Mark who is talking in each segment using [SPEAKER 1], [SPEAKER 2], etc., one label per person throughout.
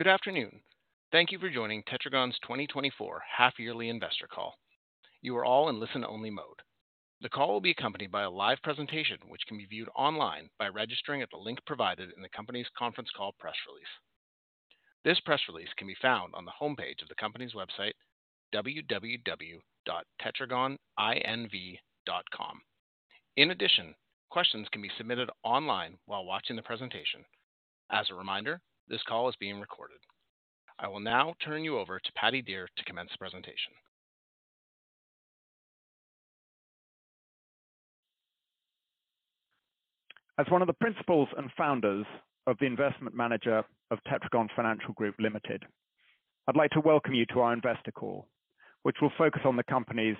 [SPEAKER 1] Good afternoon. Thank you for joining Tetragon's 2024 half-yearly investor call. You are all in listen-only mode. The call will be accompanied by a live presentation, which can be viewed online by registering at the link provided in the company's conference call press release. This press release can be found on the homepage of the company's website, www.tetragoninv.com. In addition, questions can be submitted online while watching the presentation. As a reminder, this call is being recorded. I will now turn you over to Paddy Dear to commence the presentation.
[SPEAKER 2] As one of the principals and founders of the investment manager of Tetragon Financial Group Limited, I'd like to welcome you to our investor call, which will focus on the company's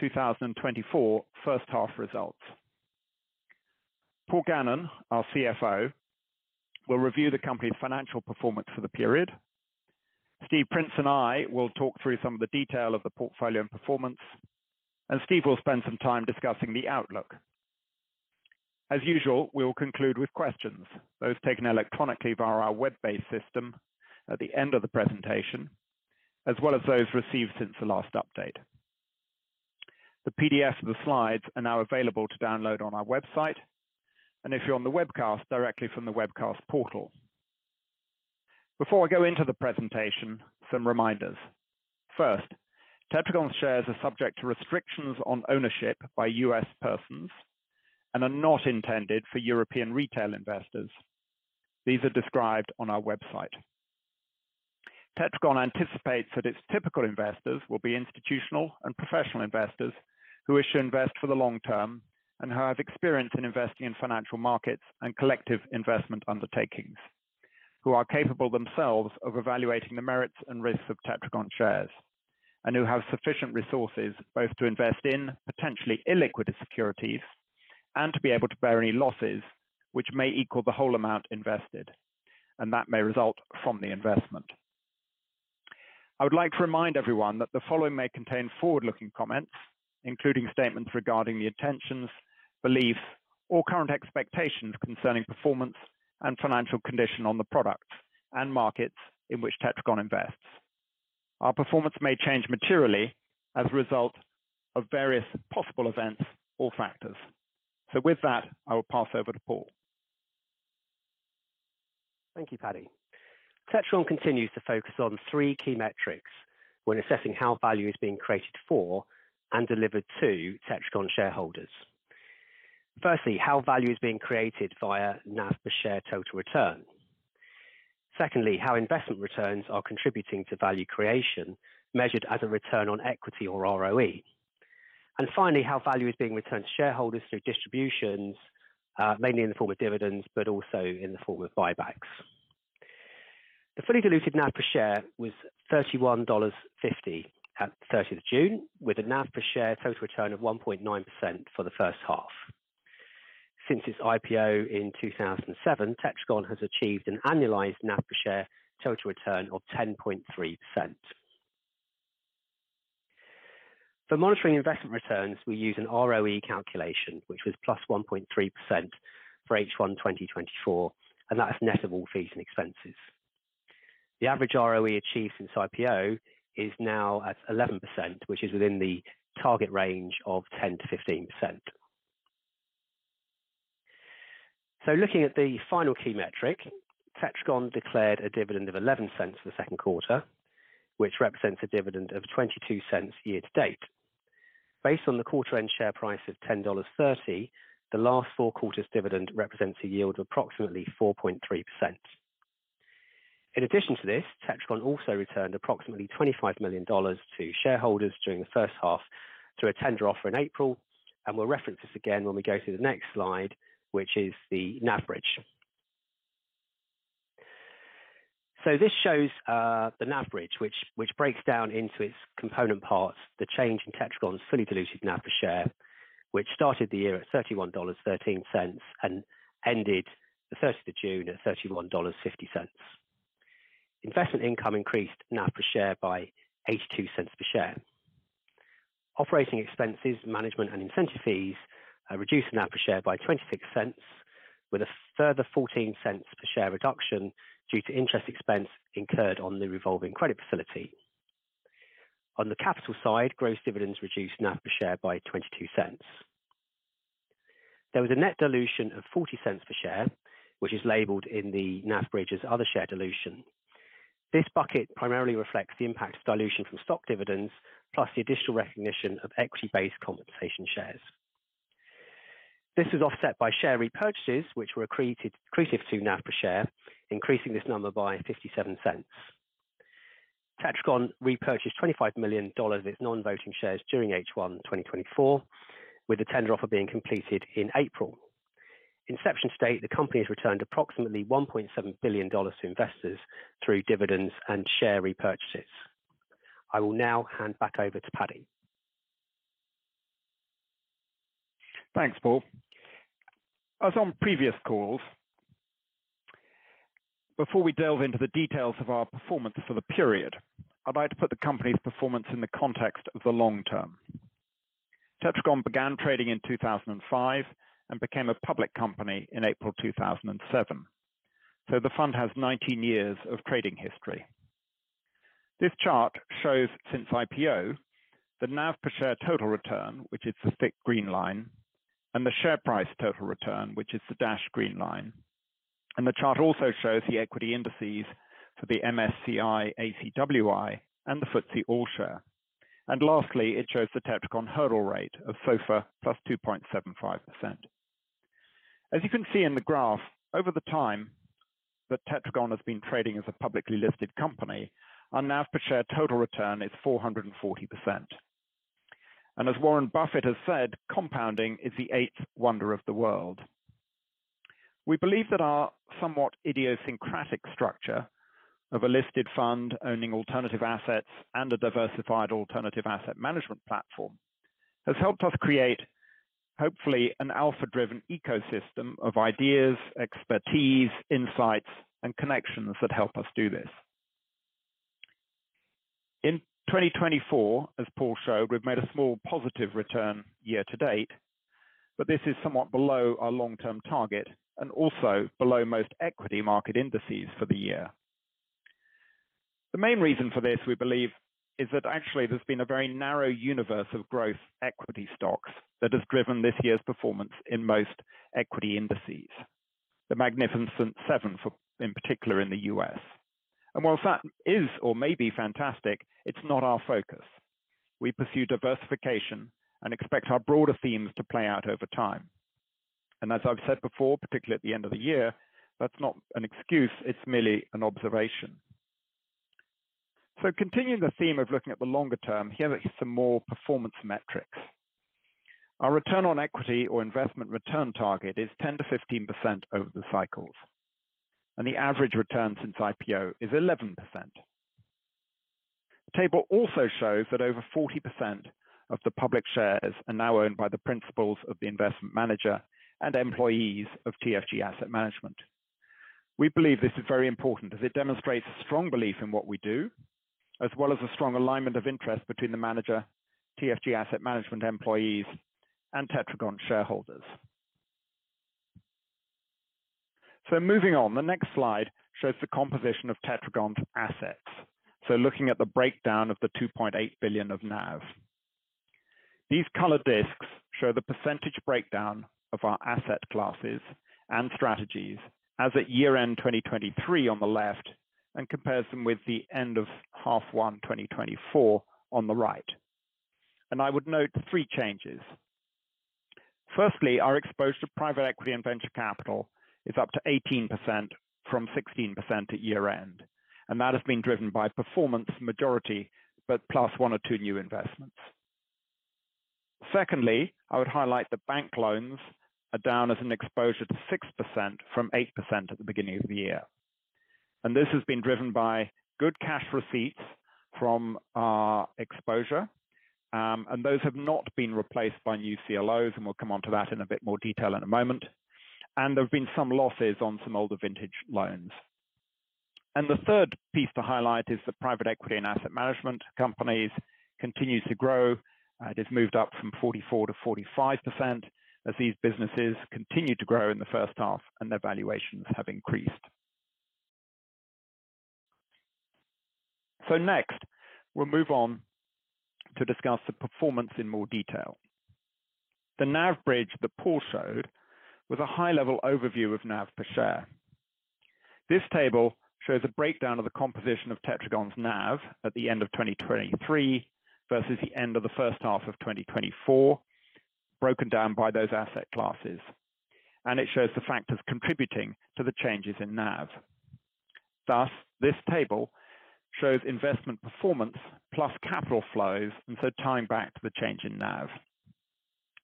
[SPEAKER 2] 2024 first half results. Paul Gannon, our CFO, will review the company's financial performance for the period. Steve Prince and I will talk through some of the detail of the portfolio and performance, and Steve will spend some time discussing the outlook. As usual, we will conclude with questions, those taken electronically via our web-based system at the end of the presentation, as well as those received since the last update. The PDF of the slides are now available to download on our website, and if you're on the webcast, directly from the webcast portal. Before I go into the presentation, some reminders. First, Tetragon shares are subject to restrictions on ownership by U.S. persons and are not intended for European retail investors. These are described on our website. Tetragon anticipates that its typical investors will be institutional and professional investors who wish to invest for the long term and who have experience in investing in financial markets and collective investment undertakings, who are capable themselves of evaluating the merits and risks of Tetragon shares, and who have sufficient resources both to invest in potentially illiquid securities and to be able to bear any losses which may equal the whole amount invested, and that may result from the investment. I would like to remind everyone that the following may contain forward-looking comments, including statements regarding the intentions, beliefs, or current expectations concerning performance and financial condition on the products and markets in which Tetragon invests. Our performance may change materially as a result of various possible events or factors. With that, I will pass over to Paul.
[SPEAKER 3] Thank you, Paddy. Tetragon continues to focus on three key metrics when assessing how value is being created for and delivered to Tetragon shareholders. Firstly, how value is being created via NAV per share total return. Secondly, how investment returns are contributing to value creation, measured as a return on equity or ROE. And finally, how value is being returned to shareholders through distributions, mainly in the form of dividends, but also in the form of buybacks. The fully diluted NAV per share was $31.50 at the 30th of June, with a NAV per share total return of 1.9% for the first half. Since its IPO in 2007, Tetragon has achieved an annualized NAV per share total return of 10.3%. For monitoring investment returns, we use an ROE calculation, which was +1.3% for H1 2024, and that is net of all fees and expenses. The average ROE achieved since IPO is now at 11%, which is within the target range of 10%-15%. So looking at the final key metric, Tetragon declared a dividend of $0.11 for the second quarter, which represents a dividend of $0.22 year-to-date. Based on the quarter-end share price of $10.30, the last four quarters dividend represents a yield of approximately 4.3%. In addition to this, Tetragon also returned approximately $25 million to shareholders during the first half through a tender offer in April, and we'll reference this again when we go to the next slide, which is the NAV bridge. So this shows the NAV bridge, which breaks down into its component parts, the change in Tetragon's fully diluted NAV per share, which started the year at $31.13 and ended the first of June at $31.50. Investment income increased NAV per share by $0.82 per share. Operating expenses, management, and incentive fees reduced NAV per share by $0.26, with a further $0.14 per share reduction due to interest expense incurred on the revolving credit facility. On the capital side, gross dividends reduced NAV per share by $0.22. There was a net dilution of $0.40 per share, which is labeled in the NAV bridge's other share dilution. This bucket primarily reflects the impact of dilution from stock dividends, plus the additional recognition of equity-based compensation shares. This was offset by share repurchases, which were accreted, accretive to NAV per share, increasing this number by $0.57. Tetragon repurchased $25 million of its non-voting shares during H1 2024, with the tender offer being completed in April. Inception to date, the company has returned approximately $1.7 billion to investors through dividends and share repurchases. I will now hand back over to Paddy.
[SPEAKER 2] Thanks, Paul. As on previous calls, before we delve into the details of our performance for the period, I'd like to put the company's performance in the context of the long term. Tetragon began trading in 2005 and became a public company in April 2007. So the fund has 19 years of trading history. This chart shows since IPO, the NAV per share total return, which is the thick green line, and the share price total return, which is the dashed green line. And the chart also shows the equity indices for the MSCI ACWI and the FTSE All-Share. And lastly, it shows the Tetragon hurdle rate of SOFR + 2.75%. As you can see in the graph, over the time that Tetragon has been trading as a publicly listed company, our NAV per share total return is 440%. And as Warren Buffett has said, "Compounding is the eighth wonder of the world." We believe that our somewhat idiosyncratic structure of a listed fund owning alternative assets and a diversified alternative asset management platform, has helped us create, hopefully, an alpha-driven ecosystem of ideas, expertise, insights, and connections that help us do this. In 2024, as Paul showed, we've made a small positive return year to date, but this is somewhat below our long-term target and also below most equity market indices for the year. The main reason for this, we believe, is that actually there's been a very narrow universe of growth equity stocks that has driven this year's performance in most equity indices. The Magnificent Seven, in particular in the U.S. While that is or may be fantastic, it's not our focus. We pursue diversification and expect our broader themes to play out over time. As I've said before, particularly at the end of the year, that's not an excuse, it's merely an observation. Continuing the theme of looking at the longer term, here are some more performance metrics. Our return on equity or investment return target is 10%-15% over the cycles, and the average return since IPO is 11%. The table also shows that over 40% of the public shares are now owned by the principals of the investment manager and employees of TFG Asset Management. We believe this is very important as it demonstrates a strong belief in what we do, as well as a strong alignment of interest between the manager, TFG Asset Management employees, and Tetragon shareholders. Moving on, the next slide shows the composition of Tetragon's assets. Looking at the breakdown of the $2.8 billion of NAV. These color discs show the percentage breakdown of our asset classes and strategies as at year-end 2023 on the left, and compares them with the end of half one 2024 on the right. I would note three changes. Firstly, our exposure to private equity and venture capital is up to 18% from 16% at year-end, and that has been driven by performance majority, but +1 or 2 new investments. Secondly, I would highlight the bank loans are down as an exposure to 6% from 8% at the beginning of the year. And this has been driven by good cash receipts from our exposure, and those have not been replaced by new CLOs, and we'll come onto that in a bit more detail in a moment. And there have been some losses on some older vintage loans. And the third piece to highlight is the private equity and asset management companies continue to grow. It has moved up from 44%-45% as these businesses continued to grow in the first half and their valuations have increased. So next, we'll move on to discuss the performance in more detail. The NAV bridge that Paul showed was a high-level overview of NAV per share. This table shows a breakdown of the composition of Tetragon's NAV at the end of 2023 versus the end of the first half of 2024, broken down by those asset classes. It shows the factors contributing to the changes in NAV. Thus, this table shows investment performance plus capital flows, and so tying back to the change in NAV.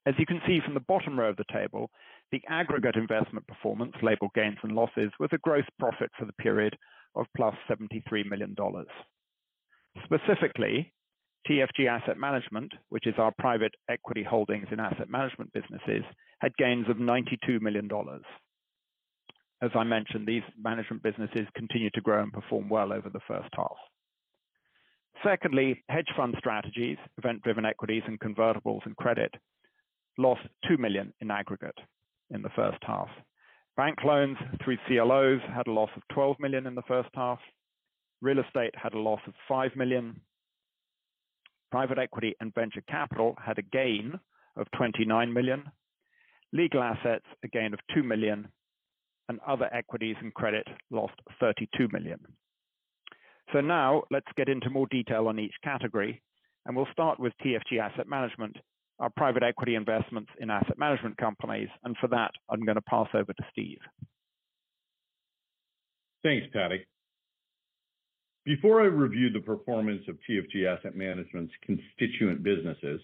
[SPEAKER 2] As you can see from the bottom row of the table, the aggregate investment performance, labeled gains and losses, was a gross profit for the period of +$73 million. Specifically, TFG Asset Management, which is our private equity holdings and asset management businesses, had gains of $92 million. As I mentioned, these management businesses continued to grow and perform well over the first half. Secondly, hedge fund strategies, event-driven equities and convertibles and credit, lost $2 million in aggregate in the first half. Bank loans through CLOs had a loss of $12 million in the first half. Real estate had a loss of $5 million. Private equity and venture capital had a gain of $29 million. Legal assets, a gain of $2 million, and other equities and credits lost $32 million. So now let's get into more detail on each category, and we'll start with TFG Asset Management, our private equity investments in asset management companies, and for that, I'm gonna pass over to Steve.
[SPEAKER 4] Thanks, Paddy. Before I review the performance of TFG Asset Management's constituent businesses,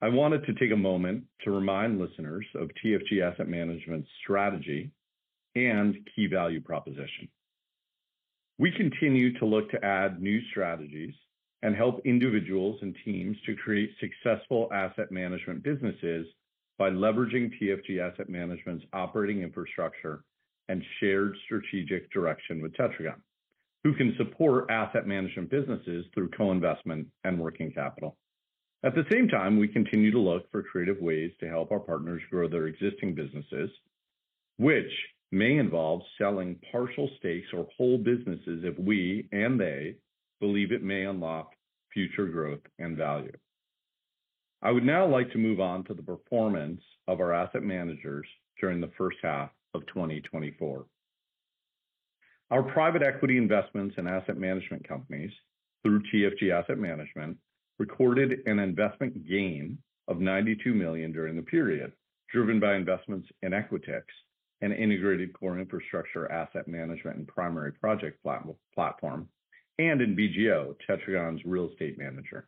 [SPEAKER 4] I wanted to take a moment to remind listeners of TFG Asset Management's strategy and key value proposition. We continue to look to add new strategies and help individuals and teams to create successful asset management businesses by leveraging TFG Asset Management's operating infrastructure and shared strategic direction with Tetragon... who can support asset management businesses through co-investment and working capital. At the same time, we continue to look for creative ways to help our partners grow their existing businesses, which may involve selling partial stakes or whole businesses if we, and they, believe it may unlock future growth and value. I would now like to move on to the performance of our asset managers during the first half of 2024. Our private equity investments and asset management companies, through TFG Asset Management, recorded an investment gain of $92 million during the period, driven by investments in Equitix, an integrated core infrastructure, asset management, and primary project platform, and in BGO, Tetragon's real estate manager.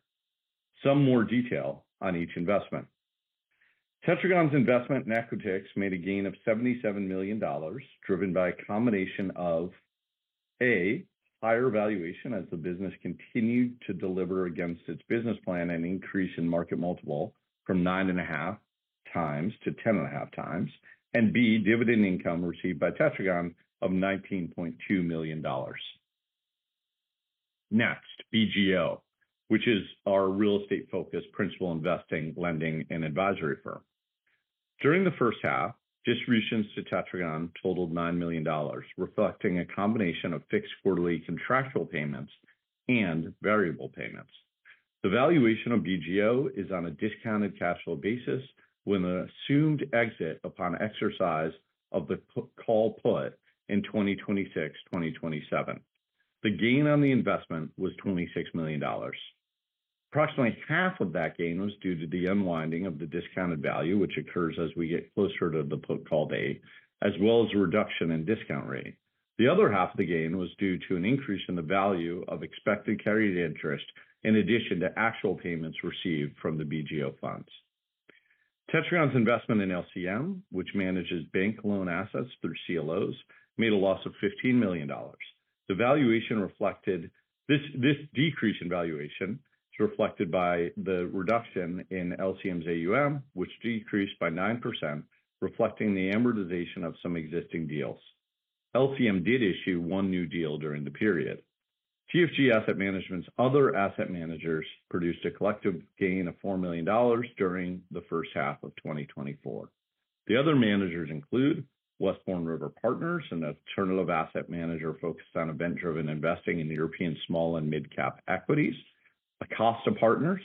[SPEAKER 4] Some more detail on each investment. Tetragon's investment in Equitix made a gain of $77 million, driven by a combination of, A, higher valuation as the business continued to deliver against its business plan and increase in market multiple from 9.5x to 10.5x, and B, dividend income received by Tetragon of $19.2 million. Next, BGO, which is our real estate-focused principal investing, lending, and advisory firm. During the first half, distributions to Tetragon totaled $9 million, reflecting a combination of fixed quarterly contractual payments and variable payments. The valuation of BGO is on a discounted cash flow basis, with an assumed exit upon exercise of the put-call in 2026, 2027. The gain on the investment was $26 million. Approximately half of that gain was due to the unwinding of the discounted value, which occurs as we get closer to the put-call date, as well as a reduction in discount rate. The other half of the gain was due to an increase in the value of expected carried interest, in addition to actual payments received from the BGO funds. Tetragon's investment in LCM, which manages bank loan assets through CLOs, made a loss of $15 million. The valuation reflected this decrease in valuation is reflected by the reduction in LCM's AUM, which decreased by 9%, reflecting the amortization of some existing deals. LCM did issue 1 new deal during the period. TFG Asset Management's other asset managers produced a collective gain of $4 million during the first half of 2024. The other managers include Westbourne River Partners, an alternative asset manager focused on event-driven investing in the European small and midcap equities. Acasta Partners,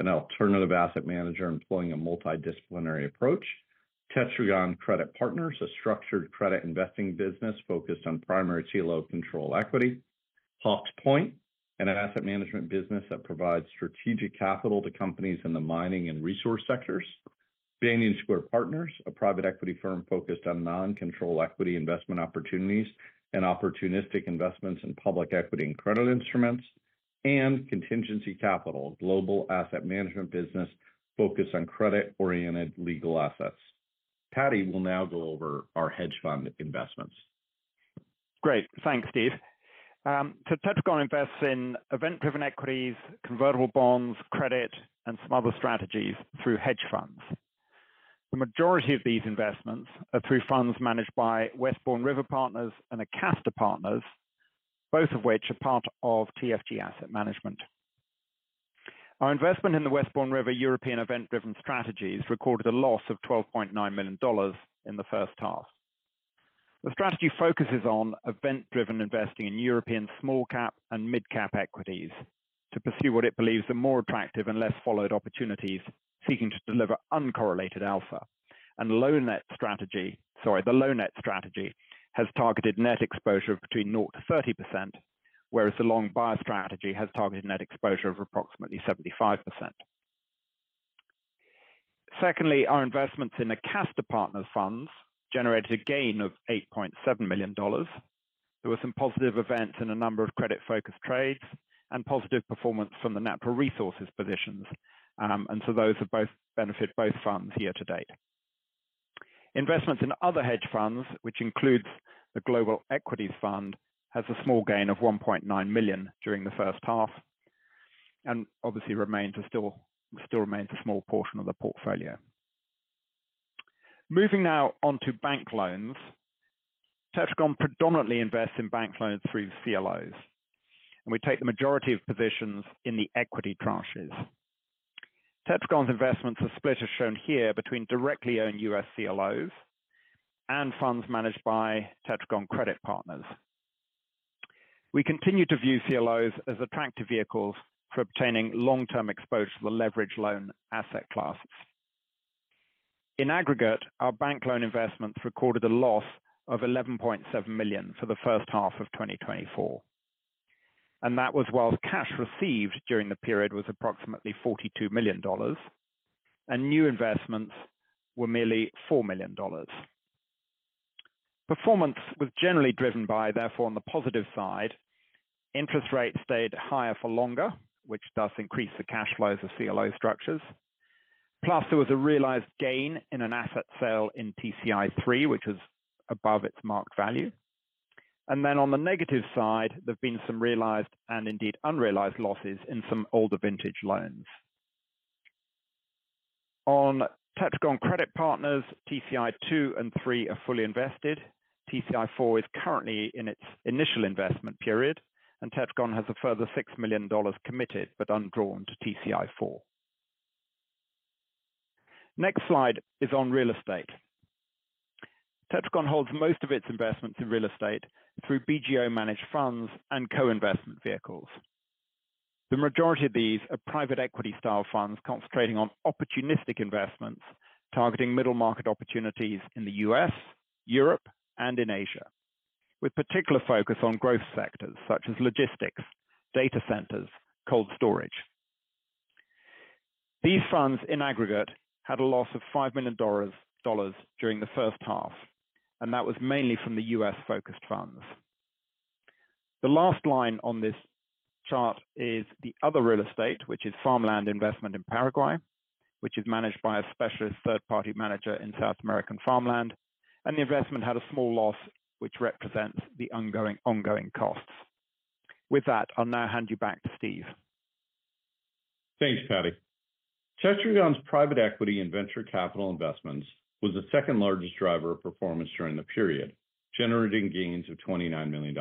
[SPEAKER 4] an alternative asset manager employing a multidisciplinary approach. Tetragon Credit Partners, a structured credit investing business focused on primary CLO control equity. Hawks Point, an asset management business that provides strategic capital to companies in the mining and resource sectors. Banyan Square Partners, a private equity firm focused on non-control equity investment opportunities and opportunistic investments in public equity and credit instruments, and Contingency Capital, a global asset management business focused on credit-oriented legal assets. Paddy will now go over our hedge fund investments.
[SPEAKER 2] Great. Thanks, Steve. So Tetragon invests in event-driven equities, convertible bonds, credit, and some other strategies through hedge funds. The majority of these investments are through funds managed by Westbourne River Partners and Acasta Partners, both of which are part of TFG Asset Management. Our investment in the Westbourne River European event-driven strategies recorded a loss of $12.9 million in the first half. The strategy focuses on event-driven investing in European small cap and midcap equities, to pursue what it believes are more attractive and less followed opportunities, seeking to deliver uncorrelated alpha. And low net strategy, sorry, the low net strategy has targeted net exposure of between 0-30%, whereas the long biased strategy has targeted net exposure of approximately 75%. Secondly, our investments in Acasta Partners funds generated a gain of $8.7 million. There were some positive events in a number of credit-focused trades and positive performance from the natural resources positions. And so those have both benefited both funds year to date. Investments in other hedge funds, which includes the Global Equities Fund, has a small gain of $1.9 million during the first half, and obviously remains a small portion of the portfolio. Moving now on to bank loans. Tetragon predominantly invests in bank loans through CLOs, and we take the majority of positions in the equity tranches. Tetragon's investments are split, as shown here, between directly owned US CLOs and funds managed by Tetragon Credit Partners. We continue to view CLOs as attractive vehicles for obtaining long-term exposure to the leveraged loan asset classes. In aggregate, our bank loan investments recorded a loss of $11.7 million for the first half of 2024, and that was while cash received during the period was approximately $42 million, and new investments were merely $4 million. Performance was generally driven by, therefore, on the positive side, interest rates stayed higher for longer, which does increase the cash flows of CLO structures. Plus, there was a realized gain in an asset sale in TCI III, which is above its marked value. And then on the negative side, there have been some realized and indeed unrealized losses in some older vintage loans. On Tetragon Credit Partners, TCI II and III are fully invested. TCI IV is currently in its initial investment period, and Tetragon has a further $6 million committed, but undrawn to TCI IV. Next slide is on real estate. Tetragon holds most of its investments in real estate through BGO managed funds and co-investment vehicles. The majority of these are private equity style funds concentrating on opportunistic investments, targeting middle market opportunities in the U.S., Europe, and in Asia, with particular focus on growth sectors such as logistics, data centers, cold storage. These funds, in aggregate, had a loss of $5 million during the first half, and that was mainly from the U.S.-focused funds. The last line on this chart is the other real estate, which is farmland investment in Paraguay, which is managed by a specialist third-party manager in South American farmland, and the investment had a small loss, which represents the ongoing costs. With that, I'll now hand you back to Steve.
[SPEAKER 4] Thanks, Paddy. Tetragon's private equity and venture capital investments was the second largest driver of performance during the period, generating gains of $29 million.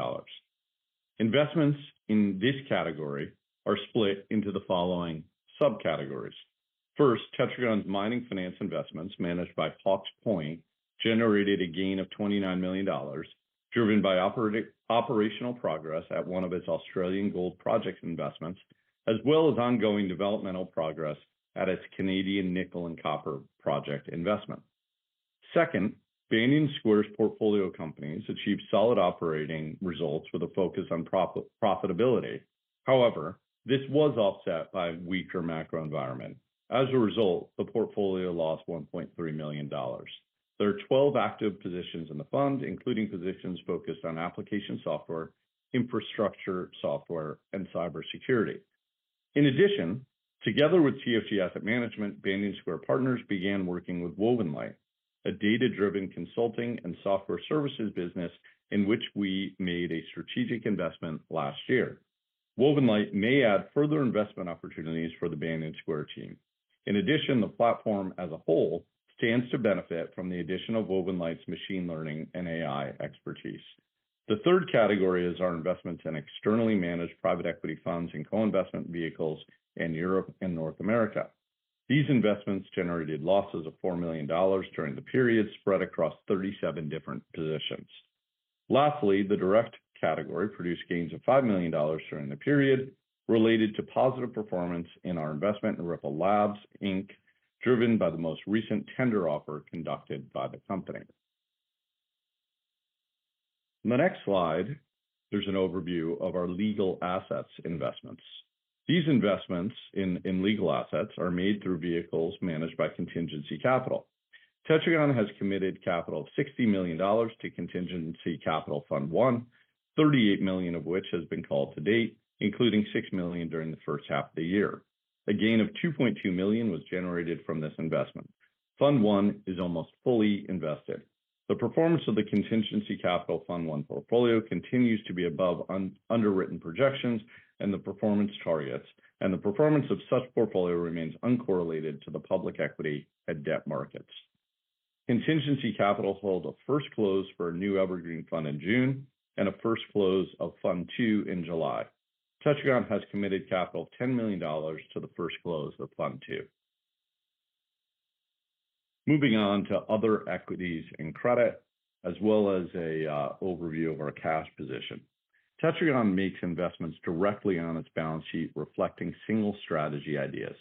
[SPEAKER 4] Investments in this category are split into the following subcategories. First, Tetragon's mining finance investments, managed by Hawks Point, generated a gain of $29 million, driven by operational progress at one of its Australian gold project investments, as well as ongoing developmental progress at its Canadian nickel and copper project investment. Second, Banyan Square's portfolio companies achieved solid operating results with a focus on profitability. However, this was offset by weaker macro environment. As a result, the portfolio lost $1.3 million. There are 12 active positions in the fund, including positions focused on application software, infrastructure software, and cybersecurity. In addition, together with TFG Asset Management, Banyan Square Partners began working with Wovenlight, a data-driven consulting and software services business in which we made a strategic investment last year. Wovenlight may add further investment opportunities for the Banyan Square team. In addition, the platform as a whole stands to benefit from the addition of Wovenlight's machine learning and AI expertise. The third category is our investments in externally managed private equity funds and co-investment vehicles in Europe and North America. These investments generated losses of $4 million during the period, spread across 37 different positions. Lastly, the direct category produced gains of $5 million during the period related to positive performance in our investment in Ripple Labs Inc, driven by the most recent tender offer conducted by the company. In the next slide, there's an overview of our legal assets investments. These investments in legal assets are made through vehicles managed by Contingency Capital. Tetragon has committed capital of $60 million to Contingency Capital Fund One, $38 million of which has been called to date, including $6 million during the first half of the year. A gain of $2.2 million was generated from this investment. Fund One is almost fully invested. The performance of the Contingency Capital Fund One portfolio continues to be above underwritten projections and the performance targets, and the performance of such portfolio remains uncorrelated to the public equity and debt markets. Contingency Capital holds a first close for a new evergreen fund in June and a first close of Fund Two in July. Tetragon has committed capital of $10 million to the first close of Fund Two. Moving on to other equities and credit, as well as an overview of our cash position. Tetragon makes investments directly on its balance sheet, reflecting single strategy ideas.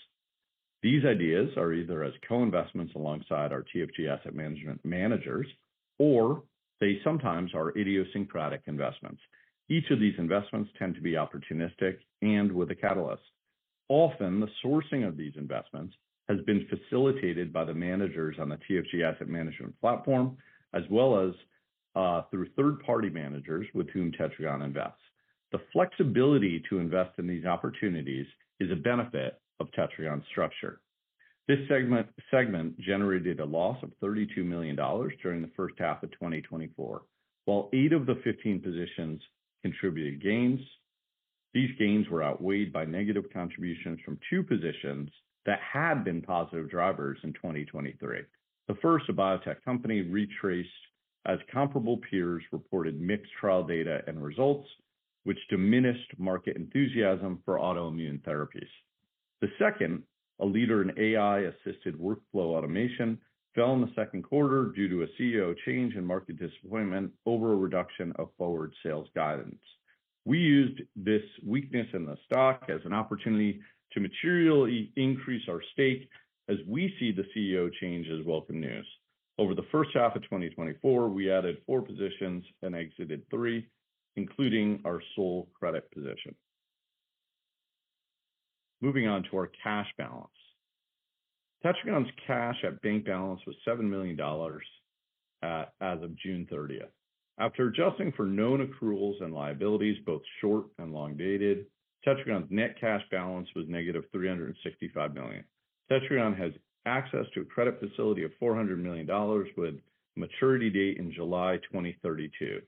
[SPEAKER 4] These ideas are either as co-investments alongside our TFG Asset Management managers, or they sometimes are idiosyncratic investments. Each of these investments tend to be opportunistic and with a catalyst. Often, the sourcing of these investments has been facilitated by the managers on the TFG Asset Management platform, as well as through third-party managers with whom Tetragon invests. The flexibility to invest in these opportunities is a benefit of Tetragon's structure. This segment generated a loss of $32 million during the first half of 2024. While eight of the 15 positions contributed gains, these gains were outweighed by negative contributions from two positions that had been positive drivers in 2023. The first, a biotech company, retrace as comparable peers reported mixed trial data and results, which diminished market enthusiasm for autoimmune therapies. The second, a leader in AI-assisted workflow automation, fell in the second quarter due to a CEO change and market disappointment over a reduction of forward sales guidance. We used this weakness in the stock as an opportunity to materially increase our stake as we see the CEO change as welcome news. Over the first half of 2024, we added four positions and exited three, including our sole credit position. Moving on to our cash balance. Tetragon's cash at bank balance was $7 million as of June thirtieth. After adjusting for known accruals and liabilities, both short and long dated, Tetragon's net cash balance was negative $365 million. Tetragon has access to a credit facility of $400 million, with maturity date in July 2032.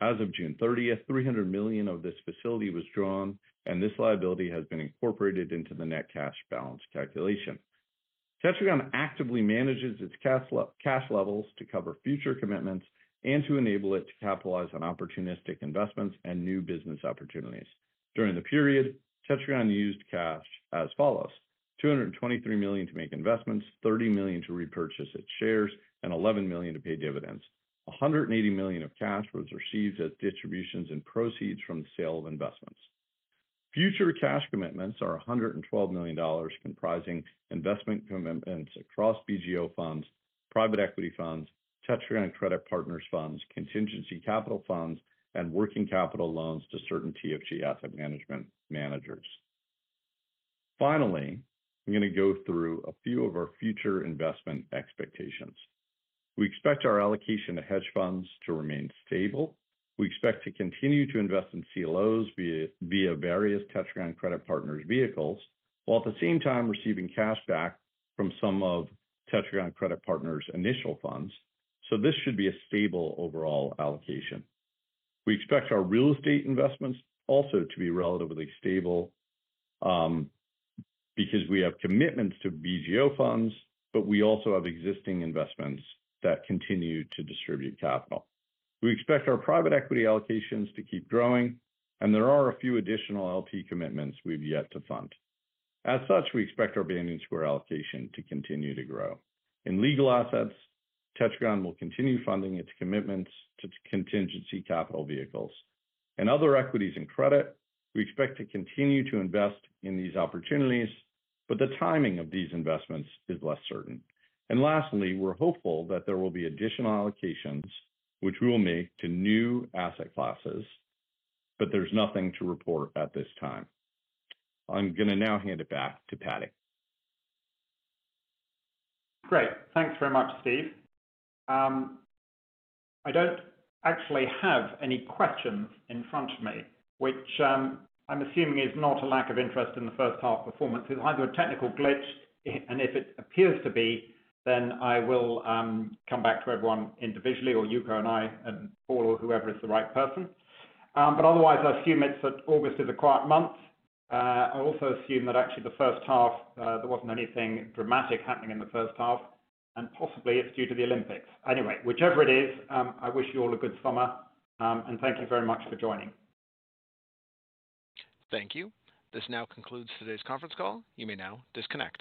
[SPEAKER 4] As of June 30, $300 million of this facility was drawn, and this liability has been incorporated into the net cash balance calculation. Tetragon actively manages its cash levels to cover future commitments and to enable it to capitalize on opportunistic investments and new business opportunities. During the period, Tetragon used cash as follows: $223 million to make investments, $30 million to repurchase its shares, and $11 million to pay dividends. $180 million of cash was received as distributions and proceeds from the sale of investments. Future cash commitments are $112 million, comprising investment commitments across BGO funds, private equity funds, Tetragon Credit Partners funds, Contingency Capital funds, and working capital loans to certain TFG Asset Management managers. Finally, I'm gonna go through a few of our future investment expectations. We expect our allocation to hedge funds to remain stable. We expect to continue to invest in CLOs via various Tetragon Credit Partners vehicles, while at the same time receiving cash back from some of Tetragon Credit Partners' initial funds. So this should be a stable overall allocation. We expect our real estate investments also to be relatively stable, because we have commitments to BGO funds, but we also have existing investments that continue to distribute capital. We expect our private equity allocations to keep growing, and there are a few additional LP commitments we've yet to fund. As such, we expect our Banyan Square allocation to continue to grow. In legal assets, Tetragon will continue funding its commitments to Contingency Capital vehicles. In other equities and credit, we expect to continue to invest in these opportunities, but the timing of these investments is less certain. Lastly, we're hopeful that there will be additional allocations which we will make to new asset classes, but there's nothing to report at this time. I'm gonna now hand it back to Paddy.
[SPEAKER 2] Great. Thanks very much, Steve. I don't actually have any questions in front of me, which I'm assuming is not a lack of interest in the first half performance. It's either a technical glitch, and if it appears to be, then I will come back to everyone individually, or Yuko and I, and Paul, or whoever is the right person. But otherwise, I assume it's that August is a quiet month. I also assume that actually the first half there wasn't anything dramatic happening in the first half, and possibly it's due to the Olympics. Anyway, whichever it is, I wish you all a good summer, and thank you very much for joining.
[SPEAKER 1] Thank you. This now concludes today's conference call. You may now disconnect.